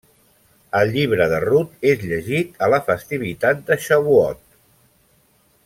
El llibre de Rut és llegit a la festivitat de Xavuot.